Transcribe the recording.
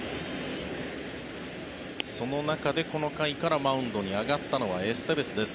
その中で、この回からマウンドに上がったのはエステベスです。